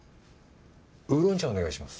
ウーロン茶お願いします。